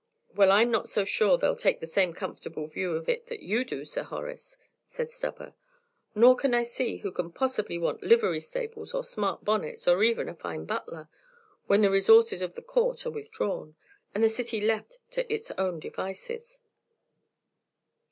"Well, I 'm not so sure they 'll take the same comfortable view of it that you do, Sir Horace," said Stubber; "nor can I see who can possibly want livery stables, or smart bonnets, or even a fine butler, when the resources of the Court are withdrawn, and the city left to its own devices."